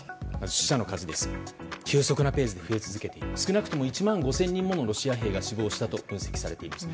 死者の数は急速なペースで増え続け少なくとも１万５０００人ものロシア兵が死亡したと分析されています。